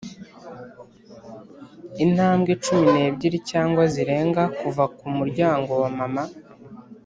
“intambwe cumi n'ebyiri cyangwa zirenga kuva ku muryango wa mama,